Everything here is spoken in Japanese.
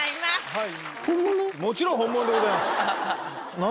はい。